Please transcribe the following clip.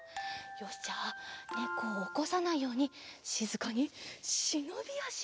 よしじゃあねこをおこさないようにしずかにしのびあし。